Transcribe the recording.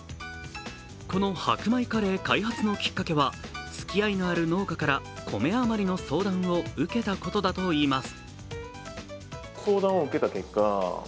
この箔米カレー開発のきっかけは、つきあいのある農家からコメ余りの相談を受けたことだといいます。